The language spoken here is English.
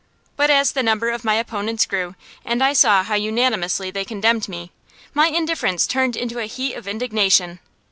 But as the number of my opponents grew, and I saw how unanimously they condemned me, my indifference turned into a heat of indignation.